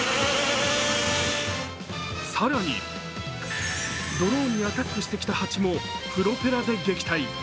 更に、ドローンにアタックしてきた蜂もプロペラで撃退。